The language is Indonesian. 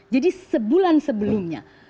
jadi sebulan sebelumnya